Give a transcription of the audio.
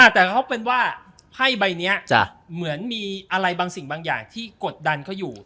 แต่เขาเป็นว่าไพ่ใบนี้เหมือนมีอะไรบางสิ่งบางอย่างที่กดดันเขาอยู่